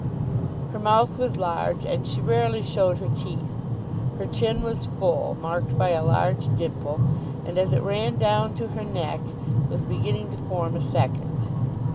Her mouth was large, and she rarely showed her teeth. Her chin was full, marked by a large dimple, and as it ran down to her neck was beginning to form a second.